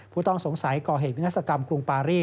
ผู้ต้องสงสัยก่อเหตุวินาศกรรมกรุงปารี